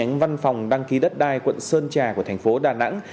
tránh văn phòng đăng ký đất đai quận sơn trà của thành phố đà nẵng